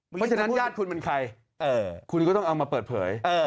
เพราะฉะนั้นญาติคุณเป็นใครคุณก็ต้องเอามาเปิดเผย